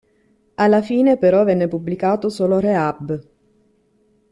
Alla fine però venne pubblicato solo "Rehab".